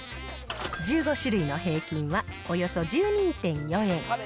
１５種類の平均は、およそ１２．４円。